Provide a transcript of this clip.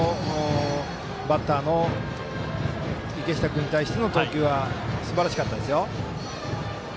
バッターの池下君に対しての投球はすばらしかったですよ。